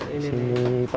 paling di sini gitu biasa